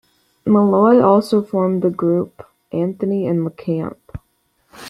Malloy also formed the group Anthony and the Camp.